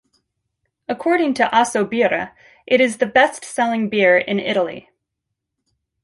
According to Assobirra, it is the best selling beer in Italy.